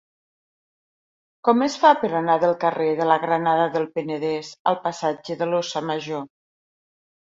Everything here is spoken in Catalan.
Com es fa per anar del carrer de la Granada del Penedès al passatge de l'Óssa Major?